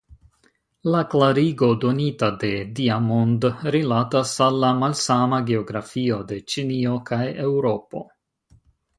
La klarigo donita de Diamond rilatas al la malsama geografio de Ĉinio kaj Eŭropo.